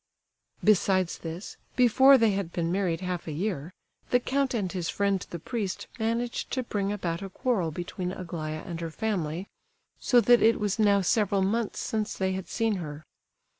Besides this, before they had been married half a year, the count and his friend the priest managed to bring about a quarrel between Aglaya and her family, so that it was now several months since they had seen her.